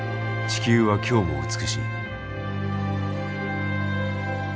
地球は今日も美しい。